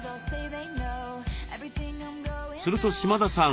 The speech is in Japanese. すると島田さん